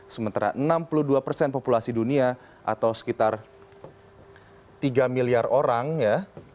sementara enam puluh dua persen populasi dunia atau sekitar tiga miliar orang ya